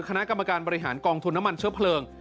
คณะกรรมการบริหารกองทุนน้ำมันเชื้อเพลิง